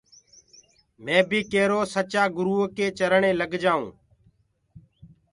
مي بي ڪِرو سچآ گُروٚئو ڪي چرني لگ جآئوٚنٚ۔